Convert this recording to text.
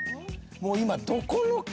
もう今どこの。